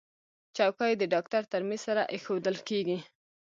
چوکۍ د ډاکټر تر میز سره ایښودل کېږي.